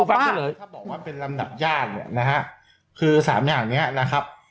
ถ้าบอกว่าเป็นลำดับญาติคือ๓อย่างนี้นะครับ